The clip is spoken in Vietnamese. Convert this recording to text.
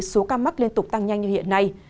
số ca mắc liên tục tăng nhanh như hiện nay